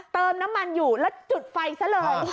เติมน้ำมันอยู่แล้วจุดไฟซะเลย